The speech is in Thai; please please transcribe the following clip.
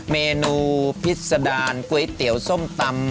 เมนูพิษดารก๋วยเตี๋ยวส้มตำ